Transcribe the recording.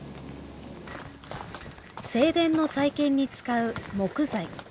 正殿の再建に使う木材。